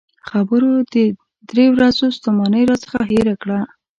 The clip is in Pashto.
خبرو د درې ورځو ستومانۍ راڅخه هېره کړه.